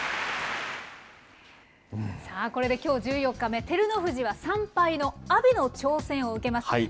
さあ、これできょう１４日目、照ノ富士は３敗の阿炎の挑戦を受けます。